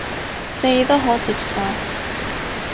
四都可接受